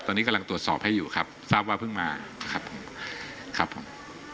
ตอนนี้กำลังตรวจสอบให้อยู่ครับทราบว่าเพิ่งมาครับผมครับผม